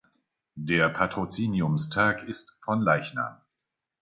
Der Patroziniumstag ist Fronleichnam.